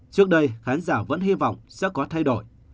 trước đây khán giả vẫn hy vọng sẽ có thay đổi